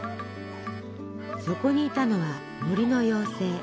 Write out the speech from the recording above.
そこにいたのは森の妖精。